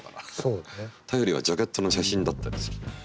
頼りはジャケットの写真だったりする。